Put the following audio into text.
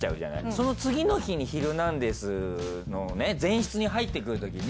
その次の日に『ヒルナンデス！』の前室に入ってくるときに。